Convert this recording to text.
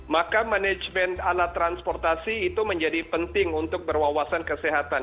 maka manajemen alat transportasi itu menjadi penting untuk berwawasan kesehatan